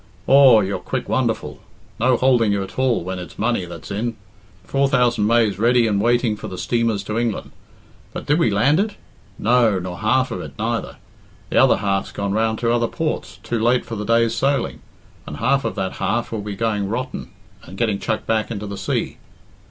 "Aw, you're quick wonderful. No houlding you at all when it's money that's in. Four thousand maise ready and waiting for the steamers to England but did we land it? No, nor half of it neither. The other half's gone round to other ports, too late for the day's sailing, and half of that half will be going rotten and getting chucked back into the sea.